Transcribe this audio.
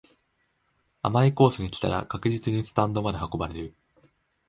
甘いコースに来たら確実にスタンドまで運ばれる